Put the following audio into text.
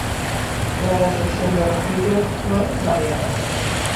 La recepción de los críticos fue variada.